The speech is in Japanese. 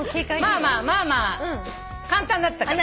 まあまあまあまあ簡単だったから。